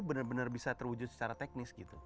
benar benar bisa terwujud secara teknis gitu